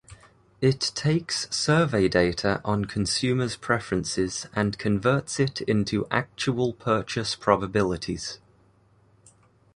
It takes survey data on consumers' preferences and converts it into actual purchase probabilities.